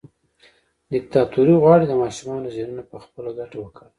دیکتاتوري غواړي د ماشومانو ذهنونه پخپله ګټه وکاروي.